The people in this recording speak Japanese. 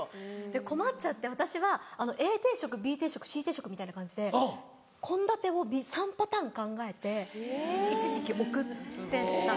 困っちゃって私はＡ定食Ｂ定食Ｃ定食みたいな感じで献立を３パターン考えて一時期送ってた。